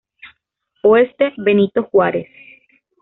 Oeste: Benito Juárez.